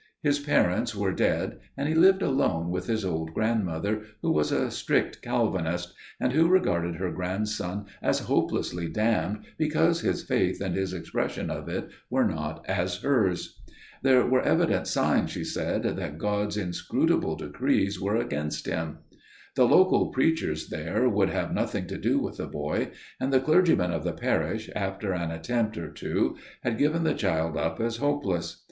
His parents were dead, and he lived alone with his old grandmother, who was a strict Calvinist, and who regarded her grandson as hopelessly damned because his faith and his expression of it were not as hers. There were evident signs, she said, that God's inscrutable decrees were against him. The local preachers there would have nothing to do with the boy; and the clergyman of the parish, after an attempt or two, had given the child up as hopeless.